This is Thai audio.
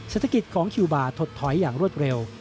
เศรษฐกิจของคิวบาร์ถดถอยอย่างรวดเร็ว